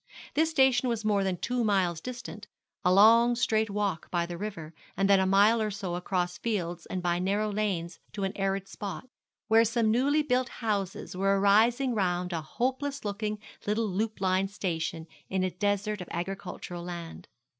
This station was more than two miles distant, a long, straight walk by the river, and then a mile or so across fields and by narrow lanes to an arid spot, where some newly built houses were arising round a hopeless looking little loop line station in a desert of agricultural land.